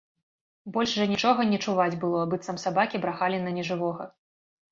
Больш жа нічога не чуваць было, быццам сабакі брахалі на нежывога.